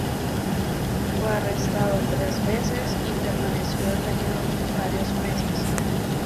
Fue arrestado tres veces y permaneció detenido varios meses.